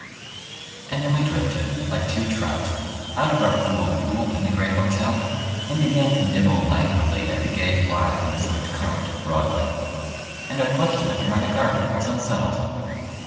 And then we drifted, like two trout, out of our cool pool in the great hotel and began to nibble languidly at the gay flies in the swift current of Broadway. And our question of dramatic art was unsettled.